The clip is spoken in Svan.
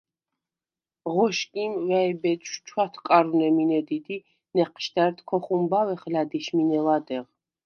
ღოშგიმ ვა̈იბედუშვ ჩვათკარვნე მინე დიდ ი ნეჴშდა̈რდ ქოხუმბავეხ ლა̈დიშ მინე ლადეღ.